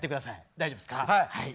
大丈夫ですか。